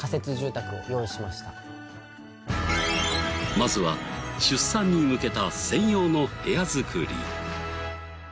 まずは出産に向けた専用の部屋づくり。